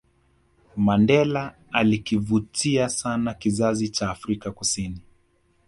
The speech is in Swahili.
mandela alikivutia sana kizazi cha afrika kusini